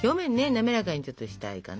滑らかにちょっとしたいかな。